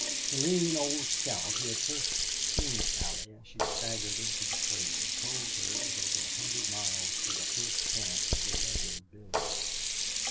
The lean old scout who had first seen Allie as she staggered into the trail told her it was over a hundred miles to the first camp of the railroad builders.